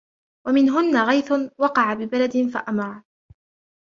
وَمِنْهُنَّ غَيْثٌ وَقَعَ بِبَلَدٍ فَأَمْرَعَ